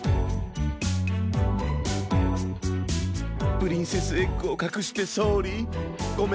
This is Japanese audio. プリンセスエッグをかくしてソーリーごめんなさい。